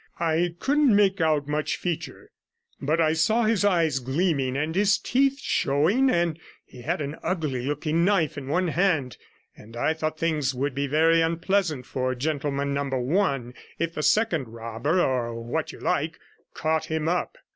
I couldn't make out much feature, but I saw his eyes gleaming and his teeth showing, and he had an ugly looking knife in one hand, and I thought things would be very unpleasant for gentleman number one if the second robber or what you like, caught him up.